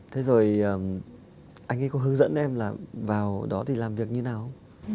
thế rồi anh ấy có hướng dẫn em là vào đó thì làm việc như nào không